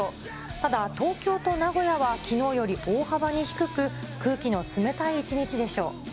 ただ、東京と名古屋はきのうより大幅に低く、空気の冷たい一日でしょう。